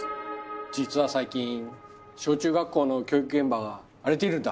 実は最近小中学校の教育現場が荒れているんだ。